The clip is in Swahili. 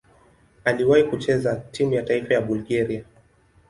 Aliwahi kucheza timu ya taifa ya Bulgaria.